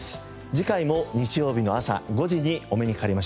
次回も日曜日の朝５時にお目にかかりましょう。